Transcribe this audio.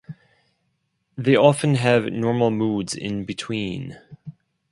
They often have normal moods in between.